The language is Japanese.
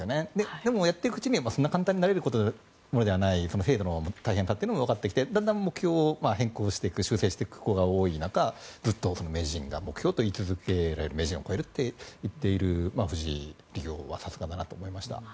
でも、やっていくうちにそんなに簡単になれるものじゃない制度の大変さというのがわかってきてだんだん目標を変更、修正していく子が多い中ずっと名人が目標と名人を超えるって言っている藤井竜王はさすがだなと思いました。